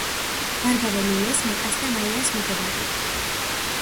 ბარბარე ლილეს, მაკას და ნაირას მეგობარია